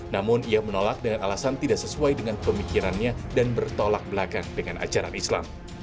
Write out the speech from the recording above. namun ia menolak dengan alasan tidak sesuai dengan pemikirannya dan bertolak belakang dengan ajaran islam